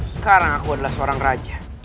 sekarang aku adalah seorang raja